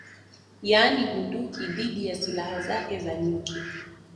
Yaani bunduki dhidi ya silaha zake za nyuki